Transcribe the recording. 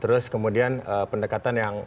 terus kemudian pendekatan yang